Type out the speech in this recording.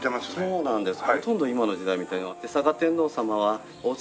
そうなんです。